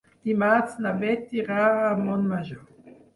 Dimarts na Beth irà a Montmajor.